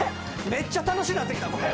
めっちゃ楽しなってきた。